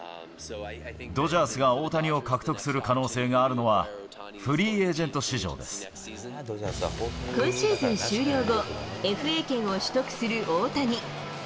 ドジャースが大谷を獲得する可能性があるのは、フリーエージェン今シーズン終了後、ＦＡ権を取得する大谷。